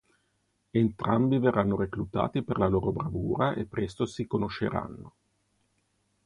Entrambi verranno reclutati per la loro bravura e presto si conosceranno.